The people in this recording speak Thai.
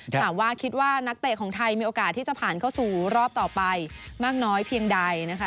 ถามว่าคิดว่านักเตะของไทยมีโอกาสที่จะผ่านเข้าสู่รอบต่อไปมากน้อยเพียงใดนะคะ